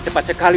dari mana pratu